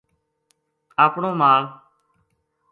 اپنو مال